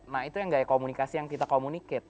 nah itu yang gaya komunikasi yang kita communicate